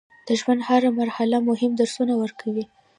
د ژوند هره مرحله مهم درسونه ورکوي.